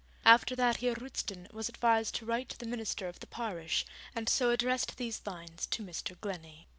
After that Heer Roosten was advised to write to the minister of the parish, and so addressed these lines to Mr. Glennie.